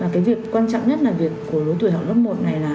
cái việc quan trọng nhất là việc của lứa tuổi học lớp một này là